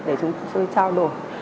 để chúng tôi trao đổi